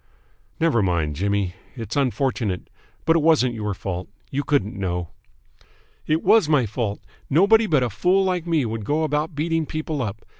"Never mind, Jimmy. It's unfortunate, but it wasn't your fault. You couldn't know." "It was my fault. Nobody but a fool like me would go about beating people up.